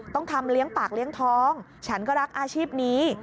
ต้องทำเลี้ยงปากเลี้ยงท้องฉันก็รักอาชีพนี้